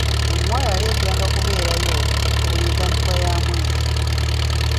Omuwala yali ajjanga kubeerayo ku buli ntandikwa ya mwezi.